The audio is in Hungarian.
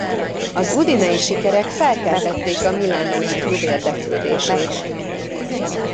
Az udinei sikerek felkeltették a milánói klub érdeklődését.